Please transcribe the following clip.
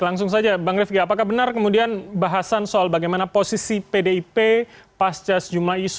langsung saja bang rifki apakah benar kemudian bahasan soal bagaimana posisi pdip pasca sejumlah isu